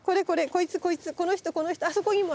こいつこいつこの人この人あそこにもあった！